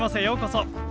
ようこそ。